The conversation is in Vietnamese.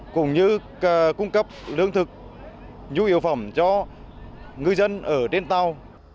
cũng như cung cấp lương thực nhu yếu phẩm cho ngư dân ở trên tàu